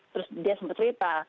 terus dia sempat cerita